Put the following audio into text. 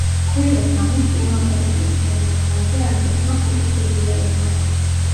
კვირას ღამით კინოაკადემიის ცერემონიალზე „არტისტმა“ ხუთი პრიზი აიღო.